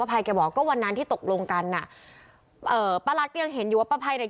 ภัยแกบอกก็วันนั้นที่ตกลงกันอ่ะเอ่อป้ารักก็ยังเห็นอยู่ว่าป้าภัยเนี่ย